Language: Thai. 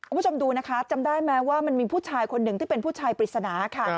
คุณผู้ชมดูนะคะจำได้ไหมว่ามันมีผู้ชายคนหนึ่งที่เป็นผู้ชายปริศนาค่ะ